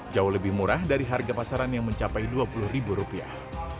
jauh lebih murah dari harga pasaran yang mencapai dua puluh ribu rupiah